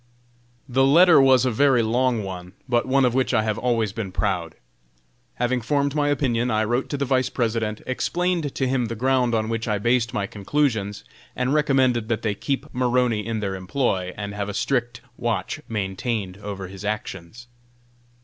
The letter was a very long one, but one of which I have always been proud. Having formed my opinion, I wrote to the Vice President, explained to him the ground on which I based my conclusions, and recommended that they keep Maroney in their employ, and have a strict watch maintained over his actions.